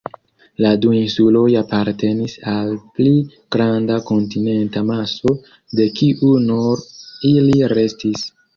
La du insuloj apartenis al pli granda kontinenta maso, de kiu nur ili restis.